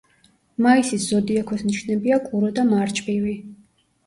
მაისის ზოდიაქოს ნიშნებია კურო და მარჩბივი.